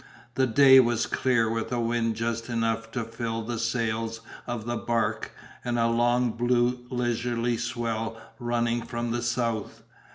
The day was clear with a wind just enough to fill the sails of the barque and a long blue leisurely swell running from the south.